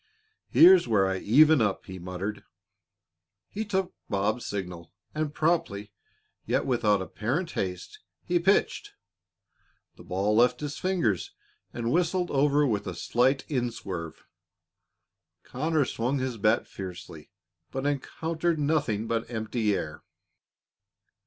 "Here's where I even up," he muttered. He took Bob's signal, and promptly, yet without apparent haste, he pitched. The ball left his fingers and whistled over with a slight inswerve. Conners swung his bat fiercely, but encountered nothing but empty air.